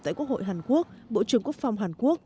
tại quốc hội hàn quốc bộ trưởng quốc phòng hàn quốc